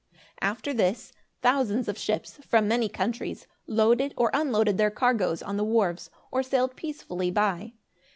After this, thousands of ships, from many countries, loaded or unloaded their cargoes on the wharves, or sailed peacefully by.